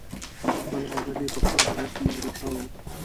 بل غزل یې په خپل ښایست مغرور شوی.